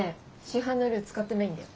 市販のルー使ってないんだよ。